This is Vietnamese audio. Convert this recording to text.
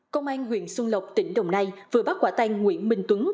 công an huyện xuân lộc tỉnh đồng nay vừa bắt quả tay nguyễn minh tuấn